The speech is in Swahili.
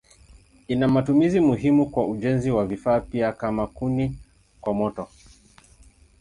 Ina matumizi muhimu kwa ujenzi na vifaa pia kama kuni kwa moto.